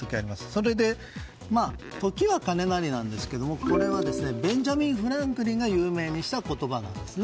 それで時は金なりなんですけどベンジャミン・フランクリンが有名にした言葉です。